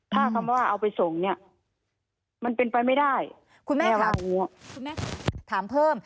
ถ้าคำว่าเอาไปส่งเนี่ยมันเป็นไปไม่ได้คุณแม่ถามคุณแม่ถามเพิ่ม